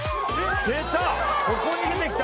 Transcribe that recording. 出た！